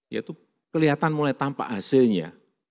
ya itu kelihatan mulai tampak hasilnya